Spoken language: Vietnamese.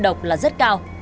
độ độc là rất cao